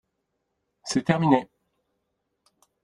C’est terminé